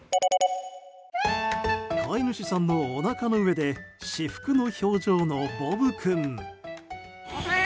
飼い主さんのおなかの上で至福の表情のボブ君。